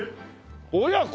親子！？